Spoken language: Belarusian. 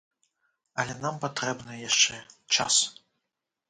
Але нам патрэбны яшчэ час.